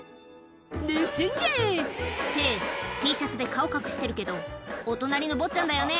「盗んじゃえ！」ってＴシャツで顔隠してるけどお隣の坊ちゃんだよね